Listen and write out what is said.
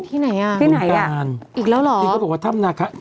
ที่ไหนอ่ะอีกแล้วเหรอที่เขาบอกว่าทำนะค่ะ